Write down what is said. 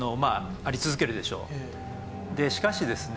しかしですね